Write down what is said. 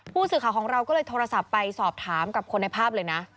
ผู้สื่อข่าวของเราก็เลยโทรศัพท์ไปสอบถามกับคนในภาพเลยนะ